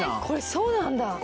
これそうなんだ。